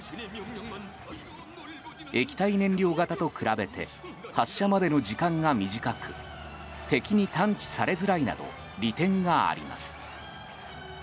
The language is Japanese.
液体燃料型と比べて発射までの時間が短く敵に探知されづらいなど利点があります。